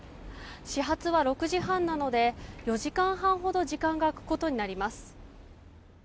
始発は６時半なので４時間半ほど時間が空くことになります。